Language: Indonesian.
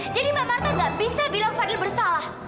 jadi mbak marta nggak bisa bilang fadil bersalah